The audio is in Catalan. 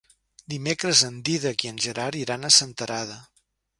Dimecres en Dídac i en Gerard iran a Senterada.